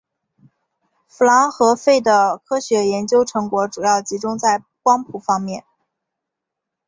夫琅和费的科学研究成果主要集中在光谱方面。